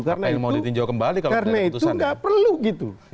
karena itu karena itu nggak perlu gitu